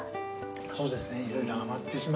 そうですね。